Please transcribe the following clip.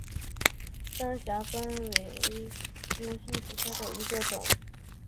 单瘤酸模为蓼科酸模属下的一个种。